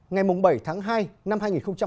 ngày bảy tháng hai năm hai nghìn hai mươi